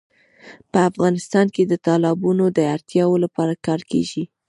په افغانستان کې د تالابونو د اړتیاوو لپاره کار کېږي.